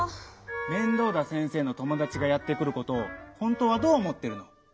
面倒田先生のともだちがやってくることをほんとはどうおもってるの？